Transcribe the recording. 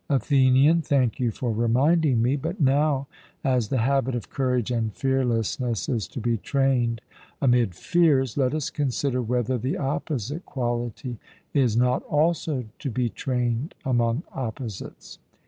ATHENIAN: Thank you for reminding me. But now, as the habit of courage and fearlessness is to be trained amid fears, let us consider whether the opposite quality is not also to be trained among opposites.